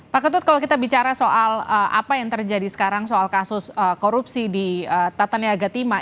pak ketut kalau kita bicara soal apa yang terjadi sekarang soal kasus korupsi di tata niaga tima